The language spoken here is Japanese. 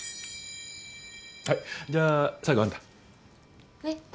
はいじゃあ最後あんた。え。